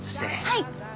はい。